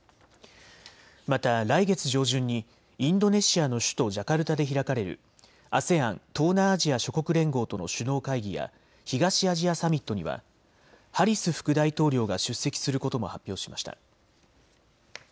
また来月上旬にインドネシアの首都ジャカルタで開かれるＡＳＥＡＮ・東南アジア諸国連合との首脳会議や東アジアサミットにはハリス副大統領が出席することも発表しました。